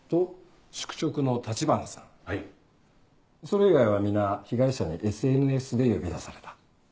それ以外は皆被害者にＳＮＳで呼び出された。